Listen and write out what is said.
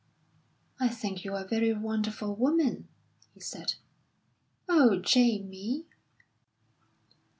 "I think you're a very wonderful woman," he said. "Oh, Jamie!"